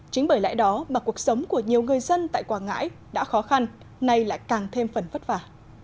chính bởi lẽ đó mà cuộc sống của nhiều người dân tại quảng ngãi đã khó khăn nay lại càng thêm phần vất vả